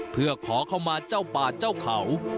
เพื่อขอเข้ามาเจ้าป่าเจ้าเขา